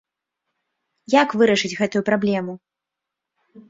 Як вырашыць гэтую праблему?